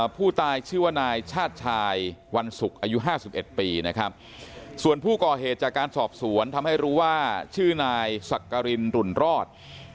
ผู้ตายชื่อว่านายชาติชายวันศุกร์อายุ๕๑ปีนะครับส่วนผู้ก่อเหตุจากการสอบสวนทำให้รู้ว่าชื่อนายสักกรินหลุ่นรอด